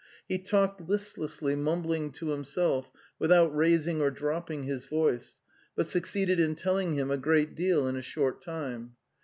He talked listlessly, mumbling to himself, without raising or dropping his voice, but succeeded in telling him a great deal in a short time.